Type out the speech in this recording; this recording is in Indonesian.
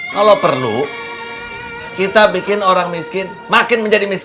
kalau perlu kita bikin orang miskin makin menjadi miskin